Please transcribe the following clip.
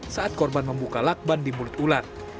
saat korban membuka lakban di mulut ular